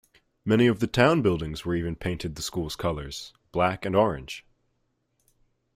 Many of the town buildings were even painted the school's colors: black and orange.